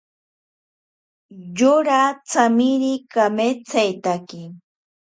Yora tsamiri kametsaitake.